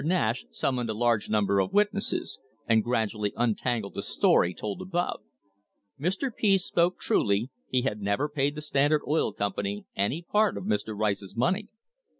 Nash summoned a large number of witnesses and gradually untangled the story told above. Mr. Pease spoke truly, he had never paid the Standard Oil Com pany any part of Mr. Rice's money.